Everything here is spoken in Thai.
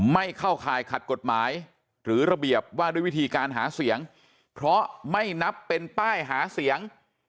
ไม่เข้าข่ายขัดกฎหมายหรือระเบียบว่าด้วยวิธีการหาเสียงเพราะไม่นับเป็นป้ายหาเสียง